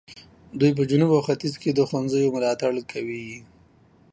دوی په جنوب او ختیځ کې د ښوونځیو ملاتړ کوي.